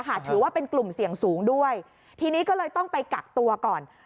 ถือว่าเป็นกลุ่มเสี่ยงสูงด้วยทีนี้ก็เลยต้องไปกักตัวก่อน